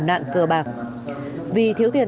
nạn cờ bạc vì thiếu tiền